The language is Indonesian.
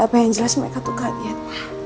aku sudah jelas mereka tuh kalian